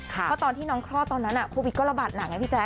เพราะตอนที่น้องคลอดตอนนั้นโควิดก็ระบาดหนักไงพี่แจ